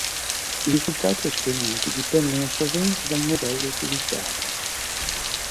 I risultati ottenuti dipendono sovente dal modello utilizzato.